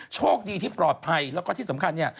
โชคดีที่ปลอดภัยแล้วก็ที่สำคัญเนี่ย